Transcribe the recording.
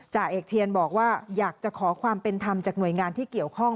จ่าเอกเทียนบอกว่าอยากจะขอความเป็นธรรมจากหน่วยงานที่เกี่ยวข้อง